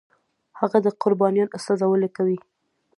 هغه د قربانۍ استازولي کوي.